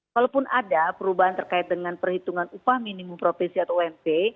walaupun ada perubahan terkait dengan perhitungan upah minimum provinsi atau ump